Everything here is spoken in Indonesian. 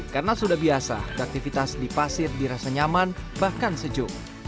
karena sudah biasa aktivitas di pasir dirasa nyaman bahkan sejuk